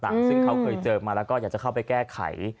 ซึ่งเขาเคยเจอมาแล้วก็อยากจะเข้าไปแก้ไข